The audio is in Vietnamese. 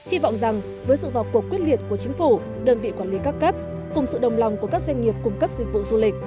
hy vọng rằng với sự vào cuộc quyết liệt của chính phủ đơn vị quản lý các cấp cùng sự đồng lòng của các doanh nghiệp cung cấp dịch vụ du lịch